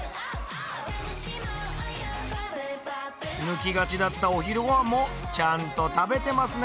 抜きがちだったお昼ごはんもちゃんと食べてますね！